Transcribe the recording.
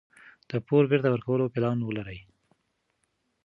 د پور بیرته ورکولو پلان ولرئ.